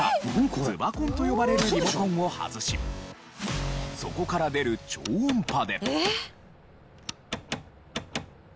ズバコンと呼ばれるリモコンを外しそこから出る超音波で。